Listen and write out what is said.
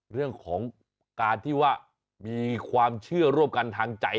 เรื่องของการที่ว่ามีความเชื่อร่วมกันทางใจ